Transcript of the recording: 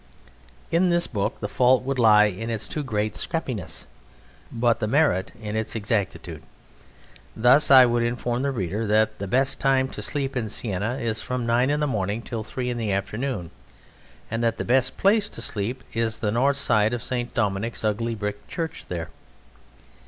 In this book the fault would lie in its too great scrappiness, but the merit in its exactitude. Thus I would inform the reader that the best time to sleep in Siena is from nine in the morning till three in the afternoon, and that the best place to sleep is the north side of St. Domenic's ugly brick church there.